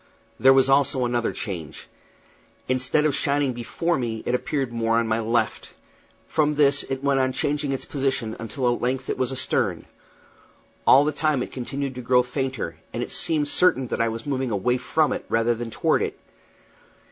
There was also another change. Instead of shining before me, it appeared more on my left. From this it went on changing its position until at length it was astern. All the time it continued to grow fainter, and it seemed certain that I was moving away from it rather than toward it.